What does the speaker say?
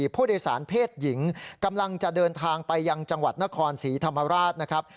ผู้โดยสารเพศหญิงกำลังจะเดินทางไปยังจังหวัดนครศรีธรรมราชนะครับ